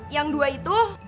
yang dua itu